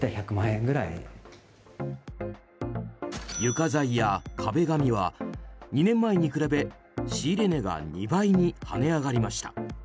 床材や壁紙は２年前に比べ仕入れ値が２倍に跳ね上がりました。